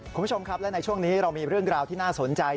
คุณผู้ชมครับและในช่วงนี้เรามีเรื่องราวที่น่าสนใจ